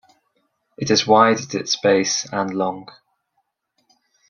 It is wide at its base and long.